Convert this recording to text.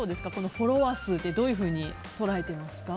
フォロワー数ってどういうふうに捉えていますか？